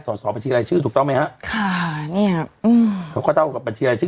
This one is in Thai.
สอบบัญชีรายชื่อถูกต้องไหมฮะค่ะเนี้ยอืมเขาก็เท่ากับบัญชีรายชื่อ